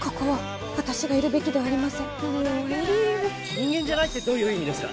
人間じゃないってどういう意味ですか？